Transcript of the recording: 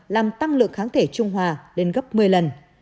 làm tăng lượng kháng thể trung hòa lên gấp một mươi lần